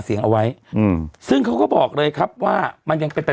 เสียงเอาไว้อืมซึ่งเขาก็บอกเลยครับว่ามันยังเป็นแต่